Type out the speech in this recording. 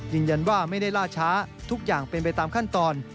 ยืนยันว่าไม่ได้ล่าช้าทุกอย่างเป็นไปตามขั้นตอน